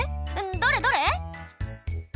どれどれ？